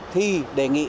thì đề nghị